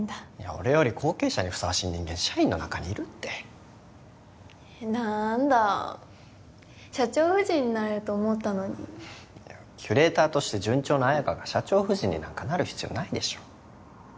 俺より後継者にふさわしい人間社員の中にいるってなんだ社長夫人になれると思ったのにキュレーターとして順調な綾香が社長夫人になんかなる必要ないでしょ